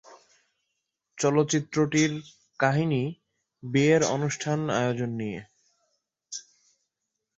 চলচ্চিত্রটির কাহিনী বিয়ের অনুষ্ঠান আয়োজন নিয়ে।